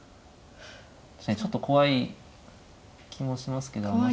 確かにちょっと怖い気もしますけど余してしまえば。